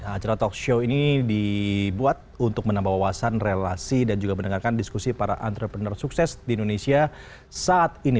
acara talk show ini dibuat untuk menambah wawasan relasi dan juga mendengarkan diskusi para entrepreneur sukses di indonesia saat ini